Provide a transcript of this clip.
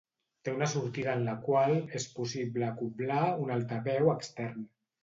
Té una sortida en la qual és possible acoblar un altaveu extern.